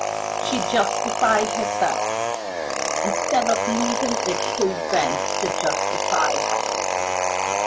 She justified herself, instead of leaving it to events to justify her.